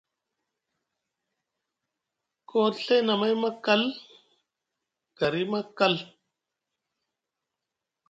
Koo te Ɵay nʼamay maa kal, gari maa kal.